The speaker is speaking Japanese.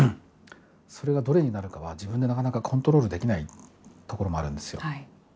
それがどれになるかは自分でなかなかコントロールできないところもあるんですよ。